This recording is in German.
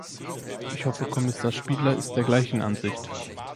Ich hoffe, Kommissar Špidla ist der gleichen Ansicht.